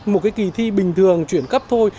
một cái kỳ thi bình thường chuyển cấp thôi